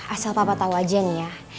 asal papa tau aja nih ya